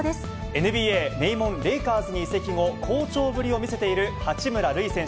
ＮＢＡ、名門、レイカーズに移籍後、好調ぶりを見せている八村塁選手。